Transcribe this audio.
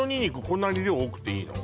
こんなに量多くていいの？